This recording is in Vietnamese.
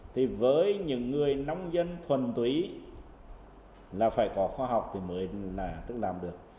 thì với những người nông dân thuần túy là phải có khoa học thì mới làm được